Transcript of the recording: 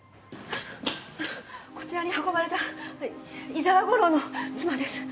こちらに運ばれた伊沢吾良の妻です。